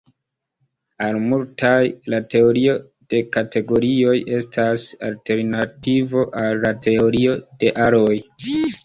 Al multaj, la teorio de kategorioj estas alternativo al la teorio de aroj.